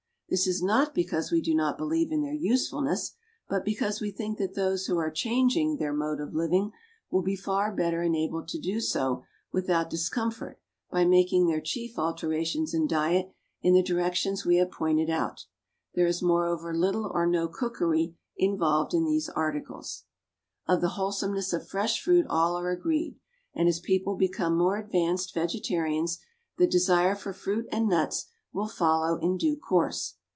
This is not because we do not believe in their usefulness, but because we think that those who are changing their mode of living will be far better enabled to do so without discomfort by making their chief alterations in diet in the directions we have pointed out. There is moreover little or no cookery involved in these articles. Of the wholesomeness of fresh fruit all are agreed; and as people become more advanced vegetarians, the desire for fruit and nuts will follow in due course.